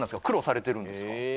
苦労されてるんですか？